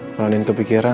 kalau andin kepikiran